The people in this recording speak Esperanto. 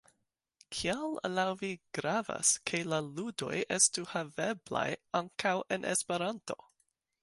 Kial laŭ vi gravas, ke la ludoj estu haveblaj ankaŭ en Esperanto?